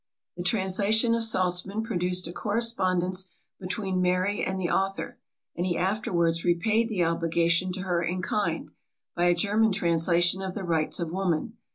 The translation of Salzmann produced a correspondence between Mary and the author; and he afterwards repaid the obligation to her in kind, by a German translation of the Rights of Woman.